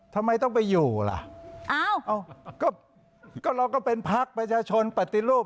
ทำไมต้องไปอยู่ล่ะอ้าวก็เราก็เป็นพักประชาชนปฏิรูป